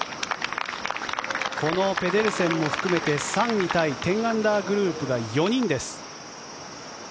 このペデルセンも含めて３位タイ１０アンダーグループが４人です。